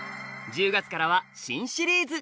１０月からは新シリーズ！